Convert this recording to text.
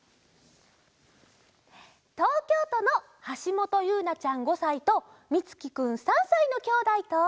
とうきょうとのはしもとゆうなちゃん５さいとみつきくん３さいのきょうだいと。